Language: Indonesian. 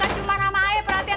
kalian cuma nama ae perhatiin